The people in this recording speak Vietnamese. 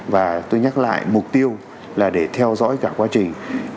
và tôi nhắc lại mục tiêu là để theo dõi cả quá trình